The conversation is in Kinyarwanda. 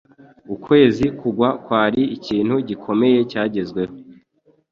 Ukwezi kugwa kwari ikintu gikomeye cyagezweho.